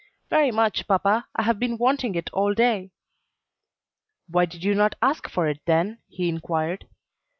"Very much, papa; I have been wanting it all day." "Why did you not ask for it, then?" he inquired.